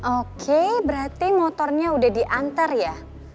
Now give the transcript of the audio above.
oke berarti motornya udah diantar ya